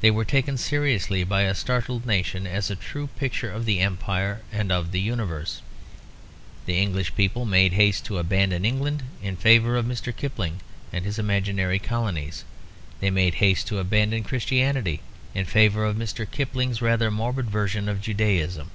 They were taken seriously by a startled nation as a true picture of the empire and the universe. The English people made haste to abandon England in favour of Mr. Kipling and his imaginary colonies; they made haste to abandon Christianity in favour of Mr. Kipling's rather morbid version of Judaism.